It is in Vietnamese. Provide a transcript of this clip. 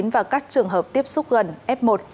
và các trường hợp tiếp xúc gần f một